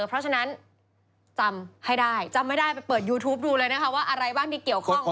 เพราะฉะนั้นจำให้ได้จำไม่ได้ไปเปิดยูทูปดูเลยนะคะว่าอะไรบ้างที่เกี่ยวข้อง